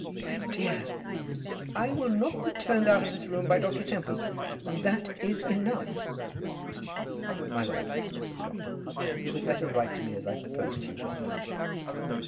"My dear!" "I will not be turned out of this room by Dr. Tempest; and that is enough." "My lord," said the doctor, "you had better write to me as I proposed to you just now."